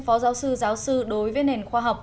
phó giáo sư giáo sư đối với nền khoa học